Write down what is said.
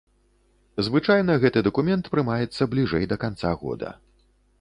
Звычайна гэты дакумент прымаецца бліжэй да канца года.